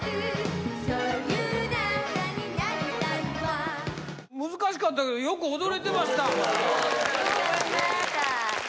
そういう仲になりたいわ難しかったけどよく踊れてました緊張しました